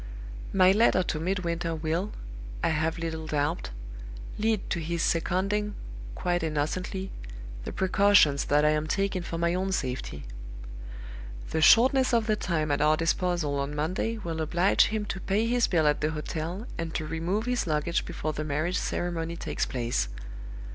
"My letter to Midwinter will, I have little doubt, lead to his seconding (quite innocently) the precautions that I am taking for my own safety. The shortness of the time at our disposal on Monday will oblige him to pay his bill at the hotel and to remove his luggage before the marriage ceremony takes place.